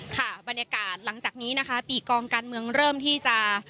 ค่ะบรรยากาศหลังจากนี้นะคะปีกองการเมืองเริ่มที่จะ